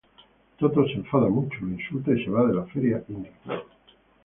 Toto se enfada mucho, lo insulta y se va de la feria indignado.